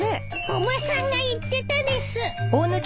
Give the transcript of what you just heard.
おばさんが言ってたです。